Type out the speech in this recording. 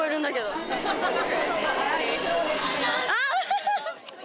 アハハハ！